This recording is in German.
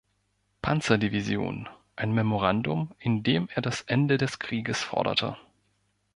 Panzer-Division, ein Memorandum, in dem er das Ende des Krieges forderte.